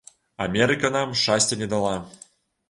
Амерыка нам шчасця не дала.